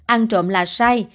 ăn trộm là sai